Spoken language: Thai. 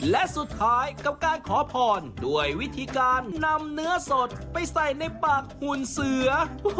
และสุดท้ายกับการขอพรด้วยวิธีการนำเนื้อสดไปใส่ในปากหุ่นเสือ